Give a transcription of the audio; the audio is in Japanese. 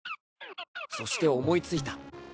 そして思いついた。